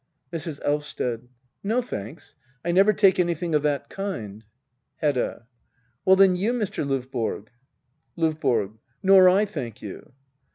Mrs. Elvsted. No, thanks — I never take anything of that kind. Hedda. Well then, you, Mr, Lovborg. LOVBORO. Nor I, thank you.